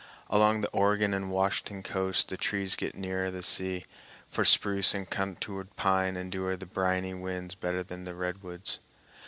Along the Oregon and Washington coast the trees get nearer the sea, for spruce and contorted pine endure the briny winds better than the redwoods.